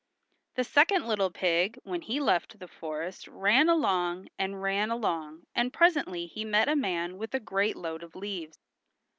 The second little pig when he left the forest ran along and ran along and presently he met a man with a great load of leaves.